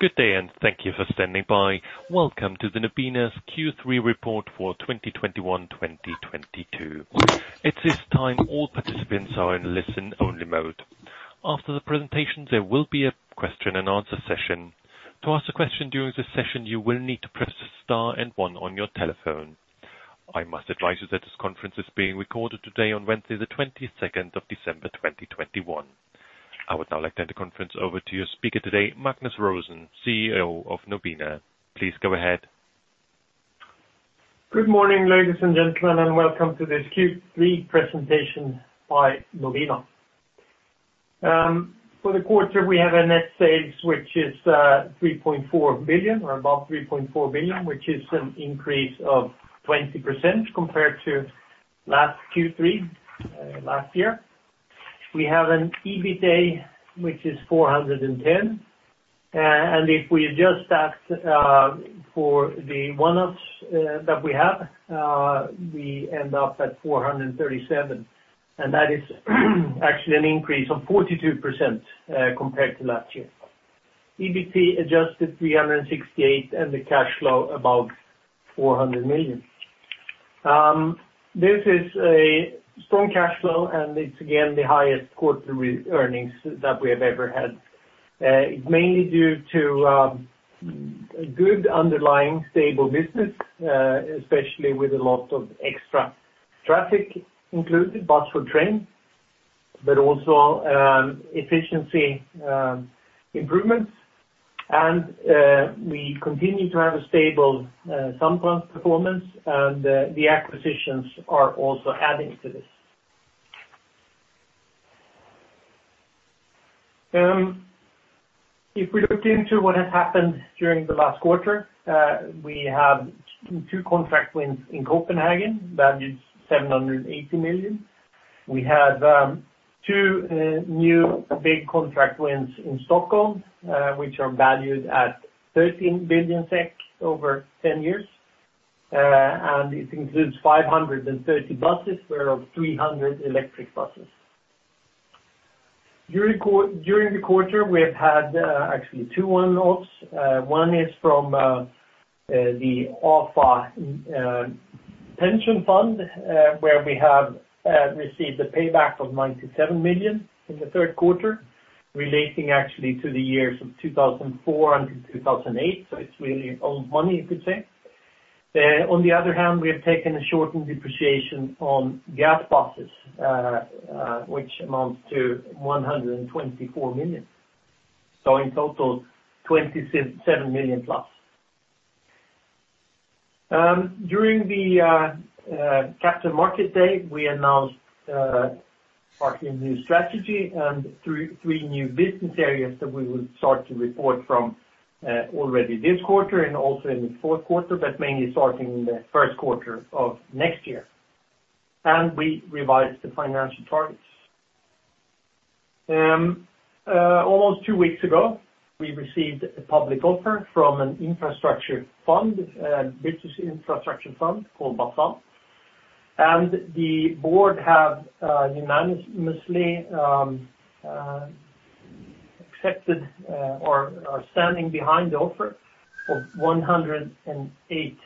Good day, and thank you for standing by. Welcome to Nobina's Q3 report for 2021, 2022. At this time, all participants are in listen-only mode. After the presentation, there will be a question-and-answer session. To ask a question during this session, you will need to press Star and one on your telephone. I must advise you that this conference is being recorded today on Wednesday the 22nd of December, 2021. I would now like to hand the conference over to your speaker today, Magnus Rosén, CEO of Nobina. Please go ahead. Good morning, ladies and gentlemen, and welcome to this Q3 presentation by Nobina. For the quarter, we have net sales, which is SEK 3.4 billion or above 3.4 billion, which is an increase of 20% compared to last Q3 last year. We have an EBITA, which is 410, and if we adjust that for the one-offs that we have, we end up at 437, and that is actually an increase of 42% compared to last year. EBT adjusted is 368, and the cash flow is above 400 million. This is a strong cash flow, and it's again the highest quarterly earnings that we have ever had. It's mainly due to good underlying stable business, especially with a lot of extra traffic, including bus or train, but also efficiency improvements. We continue to have a stable Samtrans performance, and the acquisitions are also adding to this. If we look into what has happened during the last quarter, we have two contract wins in Copenhagen, valued at 780 million. We have two new big contract wins in Stockholm, which are valued at 13 billion SEK over 10 years, and it includes 530 buses of which 300 electric buses. During the quarter, we have had actually two one-offs. One is from the Afa pension fund where we have received a payback of 97 million in Q3, relating actually to the years of 2004 and 2008, so it's really old money you could say. On the other hand, we have taken a shortened depreciation on gas buses, which amounts to 124 million. In total, 27+ million. During the Capital Market Day, we announced partly a new strategy and three new business areas that we will start to report from already this quarter and also in Q4, but mainly starting in the first quarter of next year. We revised the financial targets. Almost two weeks ago, we received a public offer from an infrastructure fund called Basalt. The board have unanimously accepted or are standing behind the offer of 108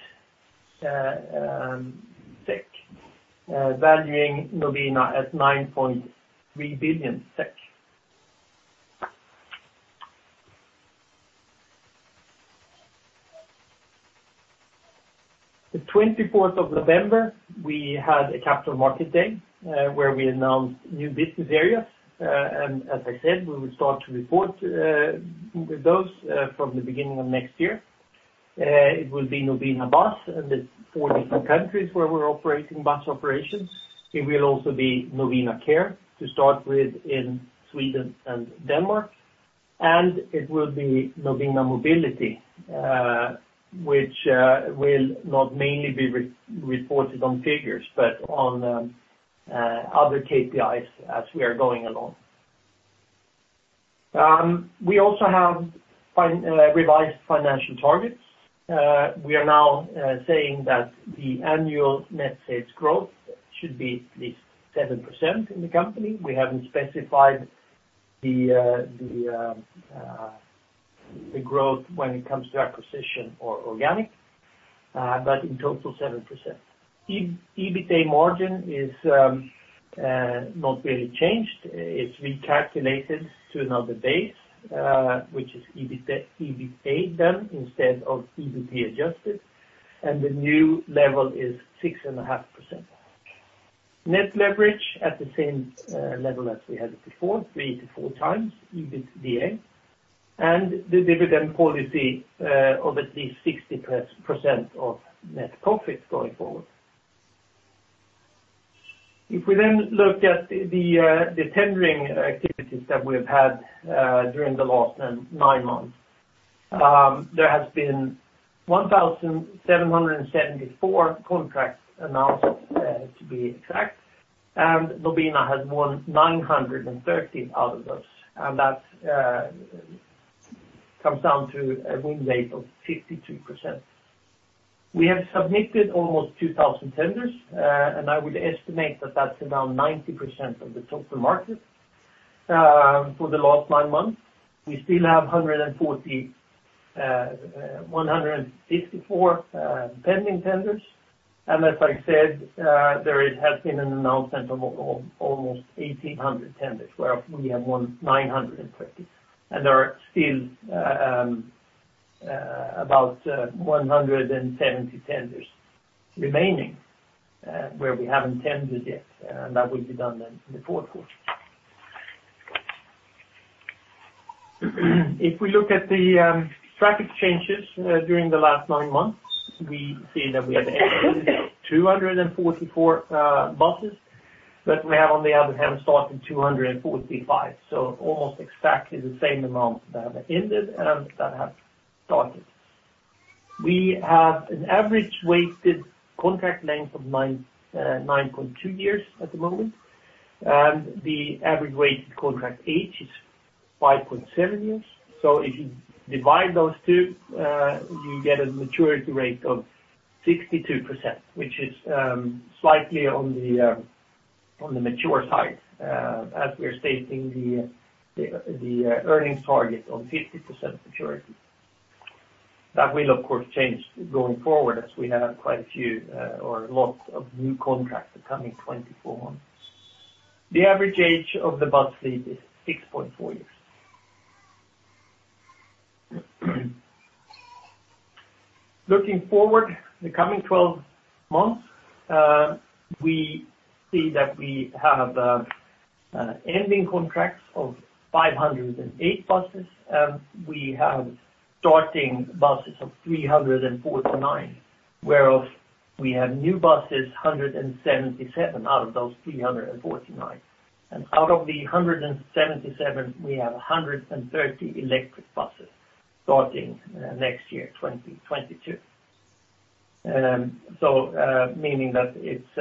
SEK, valuing Nobina at 9.3 billion SEK. The twenty-fourth of November, we had a Capital Market Day, where we announced new business areas. As I said, we will start to report with those from the beginning of next year. It will be Nobina Bus in the four different countries where we're operating bus operations. It will also be Nobina Care to start with in Sweden and Denmark. It will be Nobina Mobility, which will not mainly be re-reported on figures, but on other KPIs as we are going along. We also have revised financial targets. We are now saying that the annual net sales growth should be at least 7% in the company. We haven't specified the growth when it comes to acquisition or organic, but in total 7%. EBITA margin is not really changed. It's recalculated to another base, which is EBITA then instead of EBT adjusted, and the new level is 6.5%. Net leverage at the same level as we had it before, 3-4 times EBITDA, and the dividend policy of at least 60% of net profits going forward. If we then look at the tendering activities that we've had during the last nine months, there has been 1,774 contracts announced, to be exact, and Nobina has won 930 out of those, and that comes down to a win rate of 52%. We have submitted almost 2,000 tenders, and I would estimate that that's around 90% of the total market for the last nine months. We still have 154 pending tenders. As I said, there has been an announcement of almost 1,800 tenders, where we have won 950. There are still about 170 tenders remaining where we haven't tendered yet, and that will be done in the fourth quarter. If we look at the traffic changes during the last nine months, we see that we have ended 244 buses, but we have, on the other hand, started 245, so almost exactly the same amount that have ended and that have started. We have an average weighted contract length of 9.2 years at the moment. The average weighted contract age is 5.7 years. If you divide those two, you get a maturity rate of 62%, which is slightly on the mature side as we are stating the earnings target on 50% maturity. That will, of course, change going forward as we have quite a few or lots of new contracts the coming 24 months. The average age of the bus fleet is 6.4 years. Looking forward, the coming 12 months, we see that we have ending contracts of 508 buses. We have starting buses of 349, whereof we have new buses, 177 out of those 349. Out of the 177, we have 130 electric buses starting next year, 2022. So, meaning that it's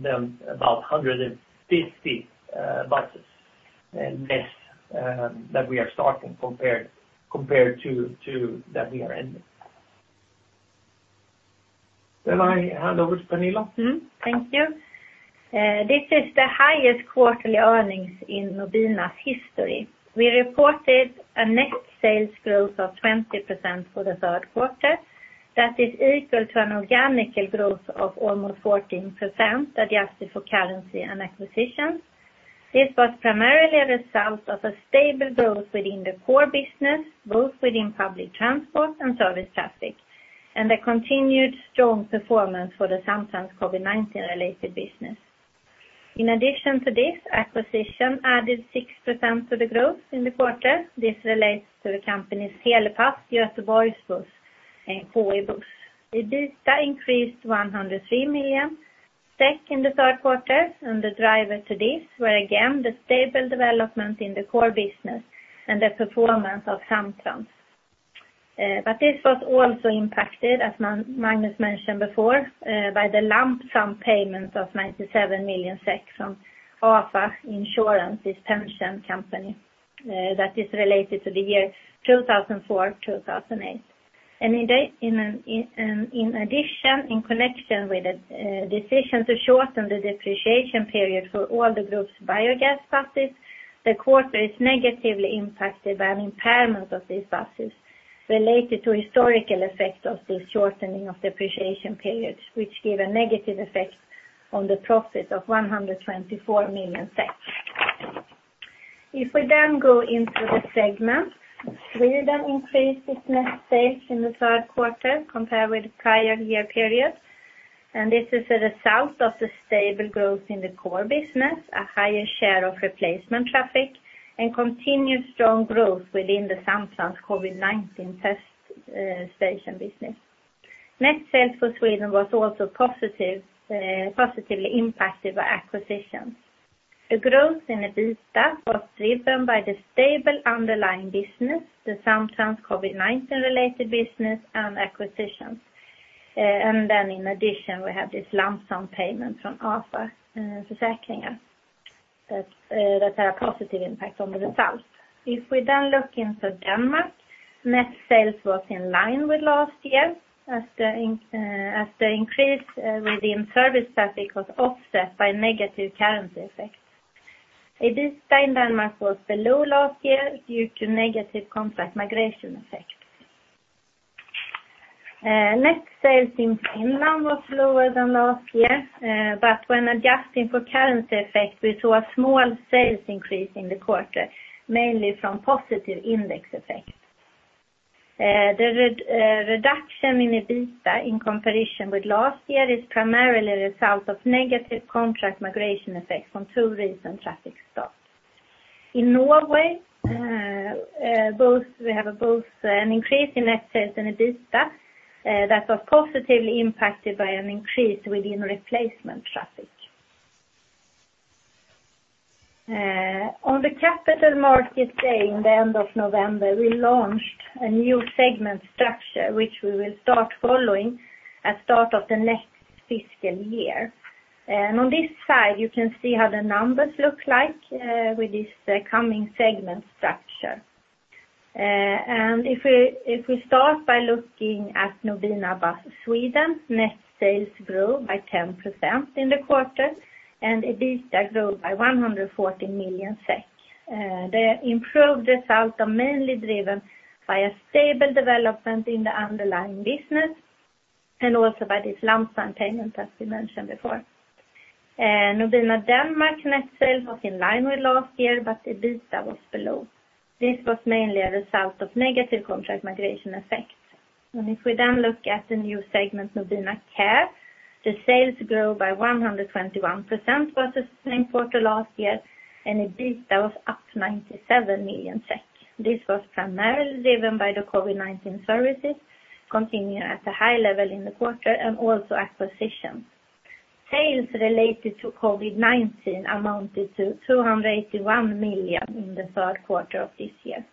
then about 150 buses less that we are starting compared to that we are ending. I hand over to Pernilla. Thank you. This is the highest quarterly earnings in Nobina's history. We reported a net sales growth of 20% for the third quarter. That is equal to an organic growth of almost 14% adjusted for currency and acquisitions. This was primarily a result of a stable growth within the core business, both within public transport and service traffic, and a continued strong performance for the Samtrans COVID-19 related business. In addition to this, acquisition added 6% to the growth in the quarter. This relates to the company's Telepass, Göteborgs Buss, and KE'S Bussar. The EBITDA increased 103 million in the third quarter, and the driver to this were again, the stable development in the core business and the performance of Samtrans. This was also impacted, as Magnus mentioned before, by the lump sum payment of 97 million SEK from Afa Insurance, this pension company, that is related to the year 2004, 2008. In addition, in connection with a decision to shorten the depreciation period for all the group's biogas buses, the quarter is negatively impacted by an impairment of these buses related to historical effects of the shortening of depreciation periods, which give a negative effect on the profits of 124 million. If we then go into the segment, Sweden increased its net sales in the third quarter compared with prior-year period. This is a result of the stable growth in the core business, a higher share of replacement traffic, and continued strong growth within the Samtrans COVID-19 test station business. Net sales for Sweden was also positive, positively impacted by acquisitions. The growth in EBITDA was driven by the stable underlying business, the Samtrans COVID-19 related business and acquisitions. In addition, we have this lump sum payment from Afa that had a positive impact on the result. If we then look into Denmark, net sales was in line with last year as the increase within service traffic was offset by negative currency effects. EBITDA in Denmark was below last year due to negative contract migration effects. Net sales in Finland was lower than last year, but when adjusting for currency effects, we saw a small sales increase in the quarter, mainly from positive index effects. Reduction in EBITDA in comparison with last year is primarily a result of negative contract migration effects from two recent traffic starts. In Norway, we have both an increase in net sales and EBITDA, that was positively impacted by an increase within replacement traffic. On the Capital Market Day at the end of November, we launched a new segment structure, which we will start following at start of the next fiscal year. On this side, you can see how the numbers look like with this coming segment structure. If we start by looking at Nobina Bus Sweden, net sales grew by 10% in the quarter, and EBITDA grew by 140 million SEK. The improved result are mainly driven by a stable development in the underlying business, and also by this lump sum payment that we mentioned before. Nobina Denmark net sales was in line with last year, but EBITDA was below. This was mainly a result of negative contract migration effects. If we then look at the new segment, Nobina Care, the sales grew by 121% versus the same quarter last year, and EBITDA was up 97 million. This was primarily driven by the COVID-19 services continuing at a high level in the quarter and also acquisitions. Sales related to COVID-19 amounted to 281 million in the third quarter of this year.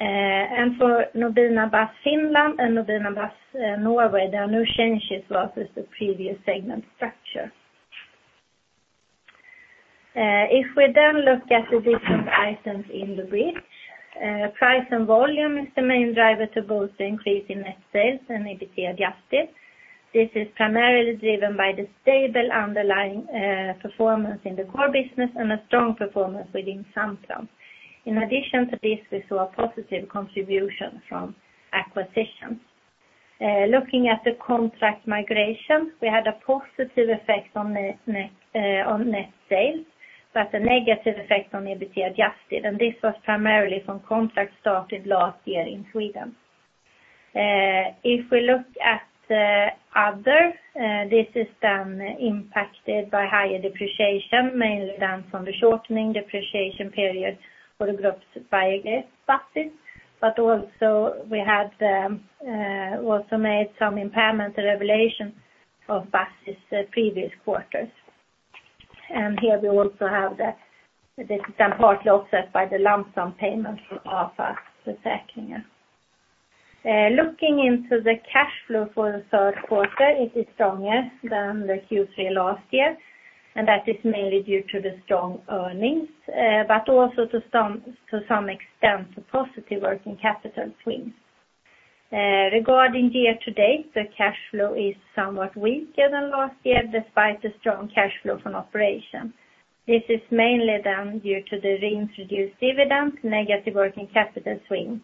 For Nobina Bus Finland and Nobina Bus Norway, there are no changes versus the previous segment structure. If we look at the different items in the bridge, price and volume is the main driver to both the increase in net sales and EBIT adjusted. This is primarily driven by the stable underlying performance in the core business and a strong performance within Samtrans. In addition to this, we saw a positive contribution from acquisitions. Looking at the contract migration, we had a positive effect on net sales, but a negative effect on adjusted EBIT, and this was primarily from contracts started last year in Sweden. If we look at other, this is then impacted by higher depreciation, mainly due to the shortening depreciation period for the group's biogas buses. We had also made some impairment reversals on buses in previous quarters. This is then partly offset by the lump sum payment from Afa Försäkring. Looking into the cash flow for the third quarter, it is stronger than the Q3 last year, and that is mainly due to the strong earnings, but also to some extent, a positive working capital swing. Regarding year-to-date, the cash flow is somewhat weaker than last year, despite the strong cash flow from operation. This is mainly then due to the reintroduced dividends, negative working capital swing,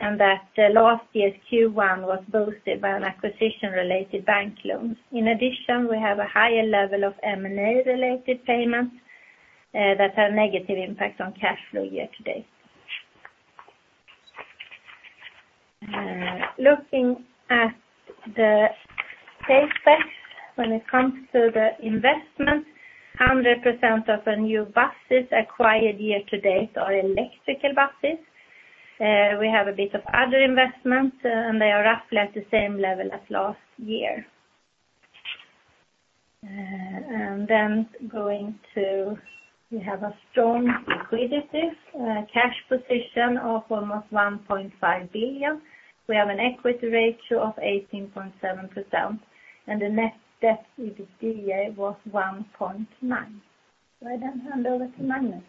and that last year's Q1 was boosted by an acquisition-related bank loan. In addition, we have a higher level of M&A-related payments, that had negative impact on cash flow year-to-date. Looking at the payback when it comes to the investments, 100% of the new buses acquired year-to-date are electric buses. We have a bit of other investments, and they are roughly at the same level as last year. We have a strong liquidity cash position of almost 1.5 billion. We have an equity ratio of 18.7%, and the net debt EBITDA was SEK 1.9 billion. I then hand over to Magnus.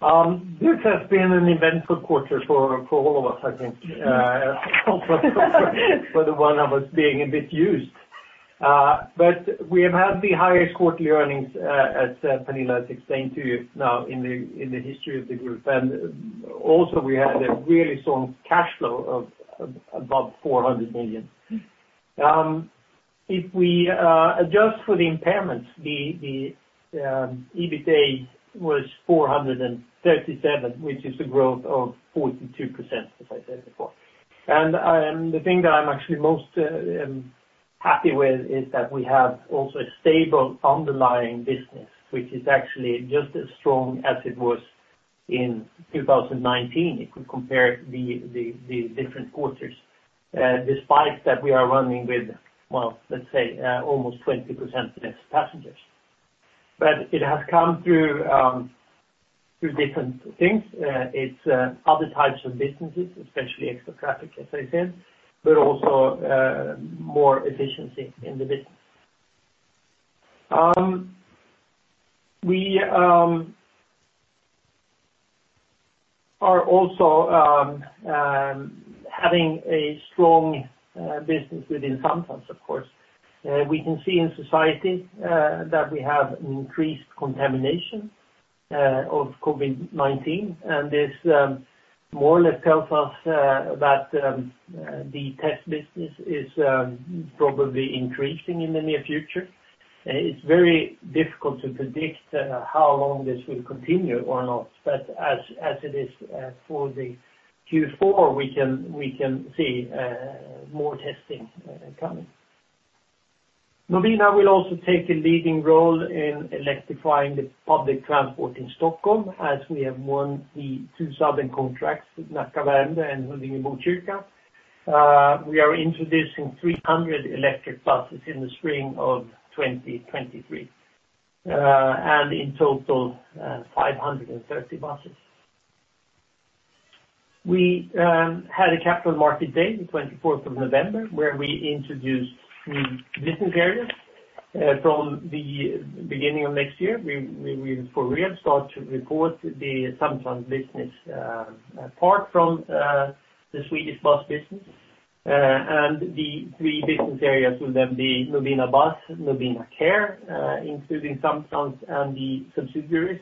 This has been an eventful quarter for all of us, I think we're all a bit used. We have had the highest quarterly earnings, as Pernilla has explained to you now, in the history of the group. We had a really strong cash flow of above 400 million. If we adjust for the impairments, the EBITA was 437 million, which is a growth of 42%, as I said before. The thing that I'm actually most happy with is that we have also a stable underlying business, which is actually just as strong as it was in 2019. You could compare the different quarters despite that we are running with, well, let's say, almost 20% less passengers. It has come through different things. It's other types of businesses, especially ekstratrafikk, as I said, but also, more efficiency in the business. We are also having a strong business within Samtrans, of course. We can see in society that we have increased contamination of COVID-19, and this more or less tells us that the test business is probably increasing in the near future. It's very difficult to predict how long this will continue or not. As it is for the Q4, we can see more testing coming. Nobina will also take a leading role in electrifying the public transport in Stockholm, as we have won the two southern contracts, Nacka/Värmdö and Huddinge/Botkyrka. We are introducing 300 electric buses in the spring of 2023, and in total, 530 buses. We had a Capital Market Day the 24th of November, where we introduced new business areas. From the beginning of next year, we will for real start to report the Samtrans business, apart from the Swedish bus business. The three business areas will then be Nobina Bus, Nobina Care, including Samtrans and the subsidiaries,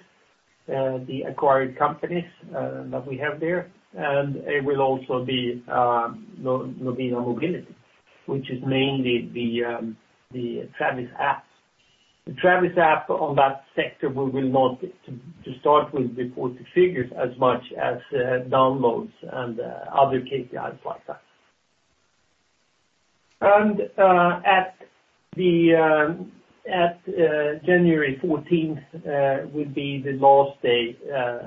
the acquired companies, that we have there. It will also be Nobina Mobility, which is mainly the Travis app. The Travis app on that sector, we will, to start with, not report the figures as much as downloads and other KPIs like that. At January 14 will be the last day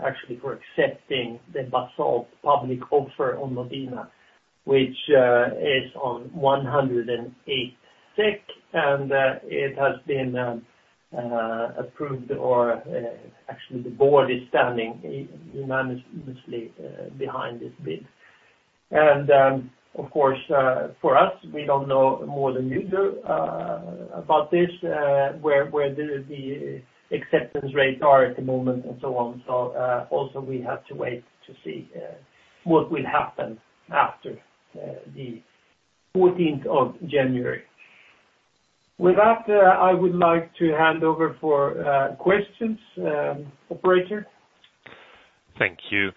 actually for accepting the Basalt public offer on Nobina, which is on 108, and it has been approved or actually the board is standing unanimously behind this bid. Of course, for us, we don't know more than you do about this, where the acceptance rates are at the moment and so on. We have to wait to see what will happen after the 14th of January. With that, I would like to hand over for questions. Operator? Thank you.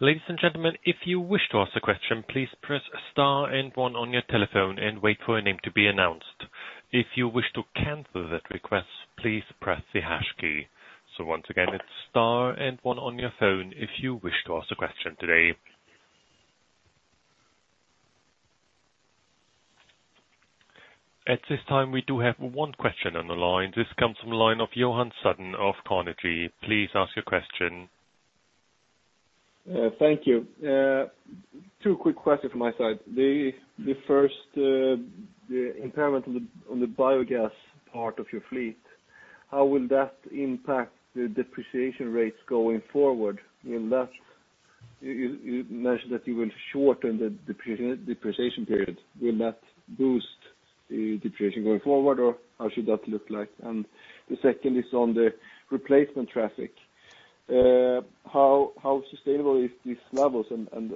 Ladies and gentlemen, if you wish to ask a question, please press Star and one on your telephone and wait for your name to be announced. If you wish to cancel that request, please press the Hash key. Once again, it's Star and one on your phone if you wish to ask a question today. At this time, we do have one question on the line. This comes from the line of Johan Sundén of Carnegie. Please ask your question. Thank you. Two quick questions from my side. The first, the impairment on the biogas part of your fleet, how will that impact the depreciation rates going forward? You mentioned that you will shorten the depreciation period. Will that boost the depreciation going forward, or how should that look like? The second is on the replacement traffic. How sustainable is these levels and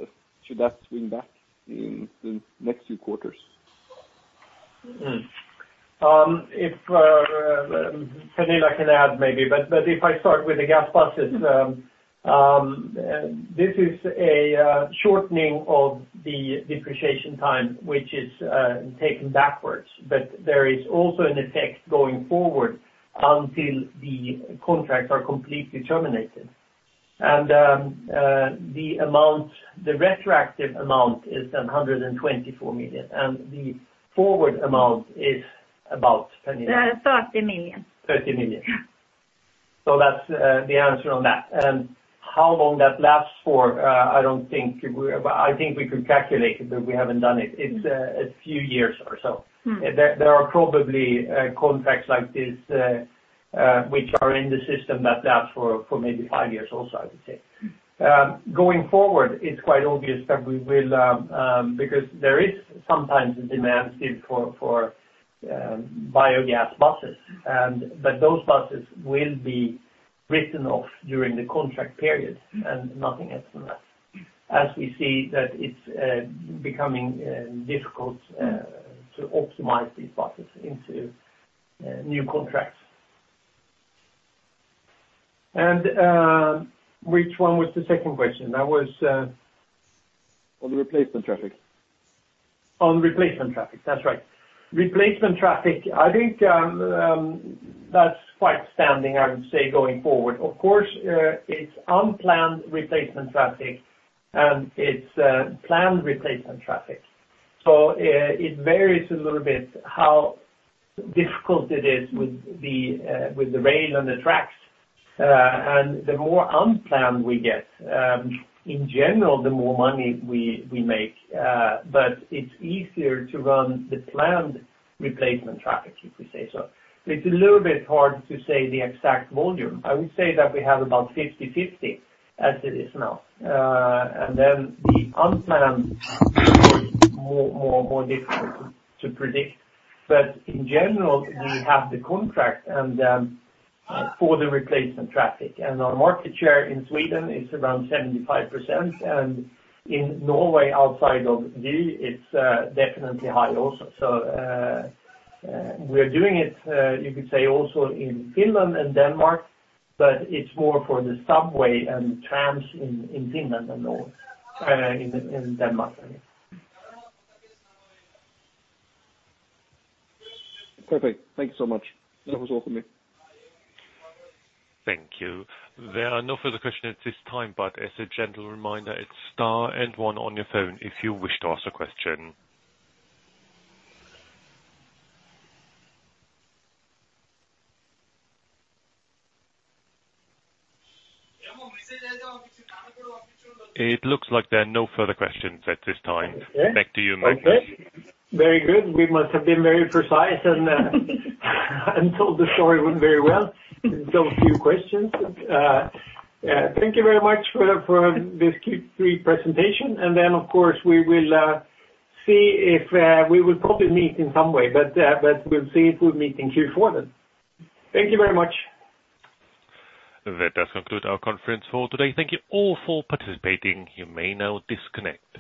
should that swing back in the next few quarters? If Pernilla can add maybe, but if I start with the gas buses, this is a shortening of the depreciation time, which is taken backwards. There is also an effect going forward until the contracts are completely terminated. The amount, the retroactive amount is 124 million, and the forward amount is about Pernilla? 30 million. 30 million. Yeah. That's the answer on that. How long that lasts for? I don't think we could calculate it, but we haven't done it. It's a few years or so. There are probably contracts like this which are in the system that last for maybe five years also, I would say. Going forward, it's quite obvious that we will, because there is sometimes a demand still for biogas buses. Those buses will be written off during the contract period and nothing else than that. As we see that it's becoming difficult to optimize these buses into new contracts. Which one was the second question? That was, On the replacement traffic. On replacement traffic. That's right. Replacement traffic, I think, that's quite strong, I would say, going forward. Of course, it's unplanned replacement traffic and it's planned replacement traffic. It varies a little bit how difficult it is with the rail and the tracks. The more unplanned we get, in general, the more money we make. But it's easier to run the planned replacement traffic, if we say so. It's a little bit hard to say the exact volume. I would say that we have about 50/50 as it is now. The unplanned is more difficult to predict. But in general, we have the contract for the replacement traffic. Our market share in Sweden is around 75%. In Norway, outside of Vy, it's definitely high also. We're doing it, you could say also in Finland and Denmark, but it's more for the subway and trams in Finland than in Denmark, I mean. Perfect. Thank you so much. That was all for me. Thank you. There are no further questions at this time, but as a gentle reminder, it's Star and one on your phone if you wish to ask a question. It looks like there are no further questions at this time. Okay. Back to you, Magnus. Okay. Very good. We must have been very precise and told the story very well. A few questions. Thank you very much for this Q3 presentation. Of course, we will see if we will probably meet in some way, but we'll see if we'll meet in Q4 then. Thank you very much. That does conclude our conference call today. Thank you all for participating. You may now disconnect.